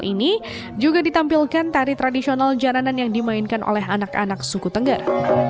ini juga ditampilkan tari tradisional janan yang dimainkan oleh anak anak suku tengger